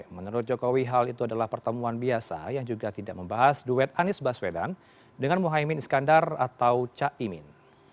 menurut jokowi hal itu adalah pertemuan biasa yang juga tidak membahas duet anies baswedan dengan mohaimin iskandar atau caimin